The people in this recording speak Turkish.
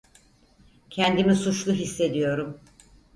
Kendimi suçlu hissediyorum.